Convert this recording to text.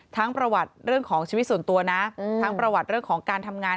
ประวัติเรื่องของชีวิตส่วนตัวนะทั้งประวัติเรื่องของการทำงาน